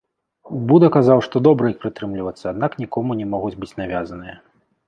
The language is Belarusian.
Буда казаў, што добра іх прытрымлівацца, аднак нікому не могуць быць навязаныя.